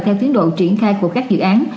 theo tiến độ triển khai của các dự án